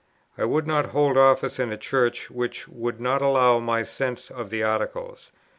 I would not hold office in a Church which would not allow my sense of the Articles.